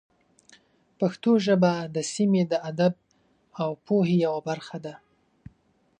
پښتو ژبه د سیمې د ادب او پوهې یوه برخه ده.